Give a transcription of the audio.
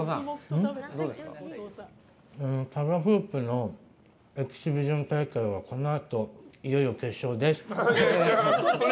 タガフープのエキシビション大会はこのあと、いよいよ決勝です。